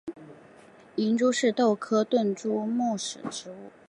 银珠是豆科盾柱木属的植物。